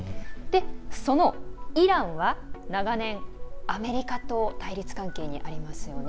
そのイランは長年、アメリカと対立関係にありますよね。